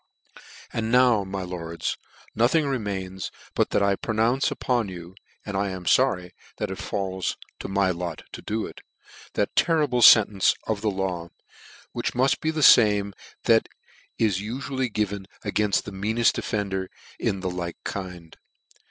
" And now, my lords, nothing remains, but that I pronounce upon you (and forry I am that it falls to my lot to do it) that terrible fentence of the law, which muft be the fame that is ufually given againft the meaneft offender in the like kind.